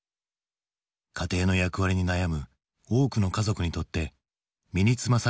家庭の役割に悩む多くの家族にとって身につまされる事件となった。